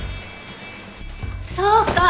そうか！